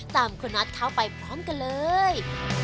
ตามคุณนัทเข้าไปพร้อมกันเลย